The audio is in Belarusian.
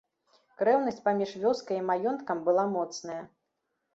Крэўнасць паміж вёскай і маёнткам была моцная.